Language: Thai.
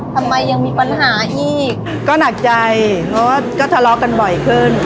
ทำไมยังมีปัญหาอีกก็หนักใจเพราะว่าก็ทะเลาะกันบ่อยขึ้น